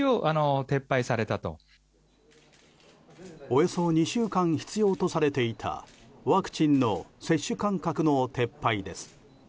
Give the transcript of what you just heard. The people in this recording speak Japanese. およそ２週間必要とされていたワクチンの接種間隔の撤廃です。